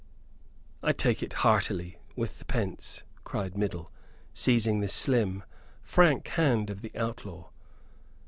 "I take it heartily, with the pence!" cried Middle, seizing the slim, frank hand of the outlaw.